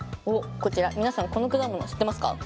こちら皆さんこの果物知ってますか？